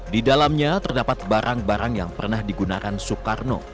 di dalamnya terdapat barang barang yang pernah digunakan soekarno